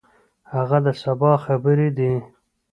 هغه د سبا خبرې دي.